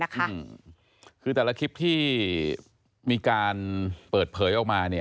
คือแต่ละคลิปที่มีการเปิดเผยออกมา